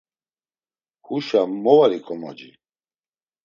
Huşa mo var ikomoci?